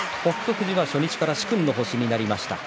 富士は初日から殊勲の星になりました。